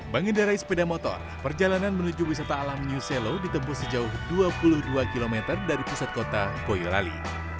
bangedara ispeda motor perjalanan menuju wisata alam new selo ditembus sejauh dua puluh dua km dari pusat kota koyorali